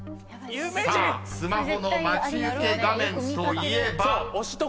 ［さあスマホの待ち受け画面といえば］